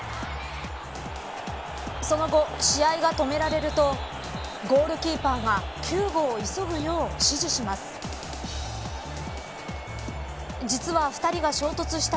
その後、試合が止められるとゴールキーパーが救護を急ぐよう指示しました。